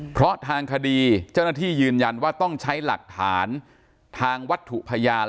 เพราะทางคดีเจ้าหน้าที่ยืนยันว่าต้องใช้หลักฐานทางวัตถุพยาน